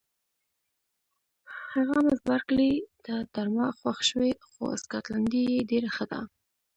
هغه مس بارکلي ته تر ما خوښ شوې، خو سکاټلنډۍ یې ډېره ښه ده.